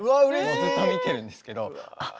もうずっと見てるんですけどあっ